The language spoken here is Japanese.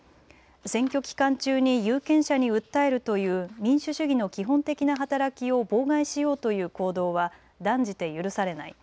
選挙期間中に有権者に訴えるという民主主義の基本的な働きを妨害しようという行動は断じて許されない。